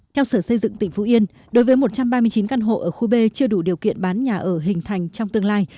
theo sở xây dựng tỉnh phú yên đối với một trăm ba mươi chín căn hộ ở khu b chưa đủ điều kiện bán nhà ở hình thành trong tương lai